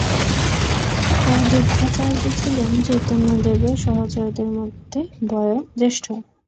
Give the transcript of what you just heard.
অদ্বৈতাচার্য ছিলেন চৈতন্যদেবের সহচরদের মধ্যে বয়োজ্যেষ্ঠ।